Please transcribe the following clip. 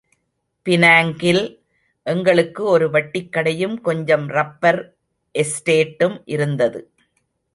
பினாங்கில் எங்களுக்கு ஒரு வட்டிக்கடையும் கொஞ்சம் ரப்பர் எஸ்டேட்டும் இருந்தது.